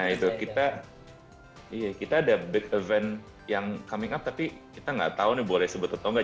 nah itu kita ada big event yang coming up tapi kita nggak tahu nih boleh sebut atau enggak